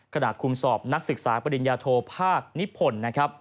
ขณะคุมสอบนักศึกษาปริญญาโทภาคนิพลนะครับ